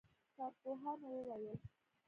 کارپوهانو وویل